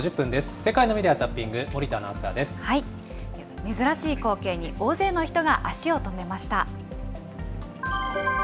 世界のメディア・ザッピング、森珍しい光景に大勢の人が足を止めました。